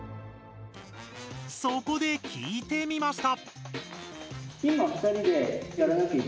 そこで聞いてみました！